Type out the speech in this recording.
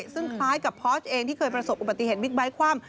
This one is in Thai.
ซึ่งคล้ายกับพอสเองที่เคยประสบอุบัติเหตุบิ๊กไบท์คว่ำ